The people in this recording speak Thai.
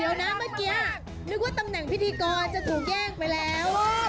เดี๋ยวนะเมื่อกี้นึกว่าตำแหน่งพิธีกรจะถูกแย่งไปแล้ว